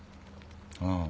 ああ。